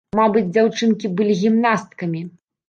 Мабыць, дзяўчынкі былі гімнасткамі.